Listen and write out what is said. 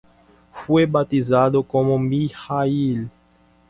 Fue bautizado como Mijaíl.